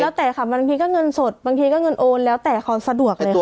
แล้วแต่ค่ะบางทีก็เงินสดบางทีก็เงินโอนแล้วแต่เขาสะดวกเลยค่ะ